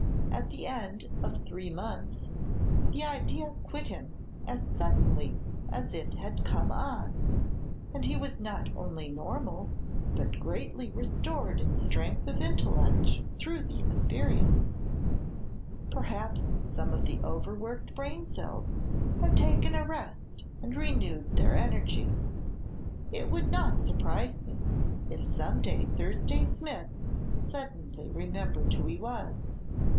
At the end of three months the idea quit him as suddenly as it had come on, and he was not only normal but greatly restored in strength of intellect through the experience. Perhaps some of the overworked brain cells had taken a rest and renewed their energy. It would not surprise me if some day Thursday Smith suddenly remembered who he was."